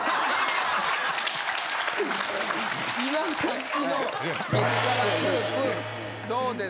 今さっきの激辛スープどうですか？